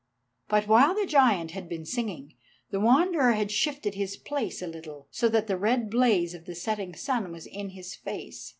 But while the giant had been singing, the Wanderer had shifted his place a little, so that the red blaze of the setting sun was in his face.